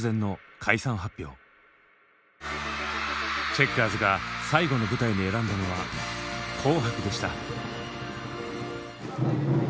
チェッカーズが最後の舞台に選んだのは「紅白」でした。